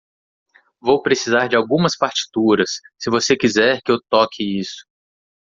Vou precisar de algumas partituras, se você quiser que eu toque isso.